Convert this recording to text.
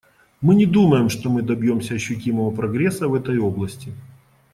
Мы не думаем, что мы добьемся ощутимого прогресса в этой области.